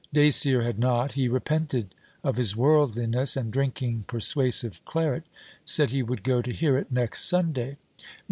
Dacier had not. He repented of his worldliness, and drinking persuasive claret, said he would go to hear it next Sunday.